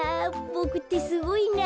ボクってすごいな。